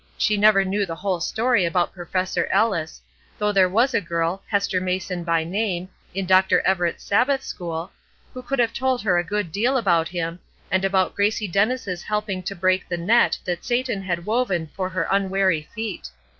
She never knew the whole story about Professor Ellis; though there was a girl, Hester Mason by name, in Dr. Everett's Sabbath school, who could have told her a good deal about him, and about Gracie Dennis' helping to break the net that Satan had woven for her unwary feet.